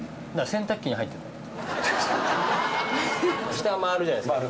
「下回るじゃないですか。